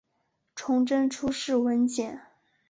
崇祯初谥文简。